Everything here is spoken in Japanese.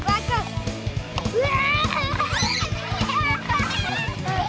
うわ！